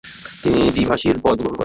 তিনি দ্বিভাষীর পদ গ্রহণ করেন।